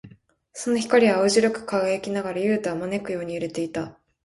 その光は青白く輝きながら、ユウタを招くように揺れていた。